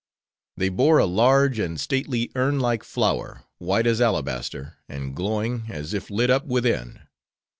They bore a large and stately urn like flower, white as alabaster, and glowing, as if lit up within.